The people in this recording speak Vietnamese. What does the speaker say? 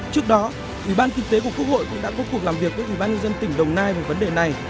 trước đó ủy ban kinh tế của quốc hội cũng đã có cuộc làm việc với ủy ban nhân dân tỉnh đồng nai về vấn đề này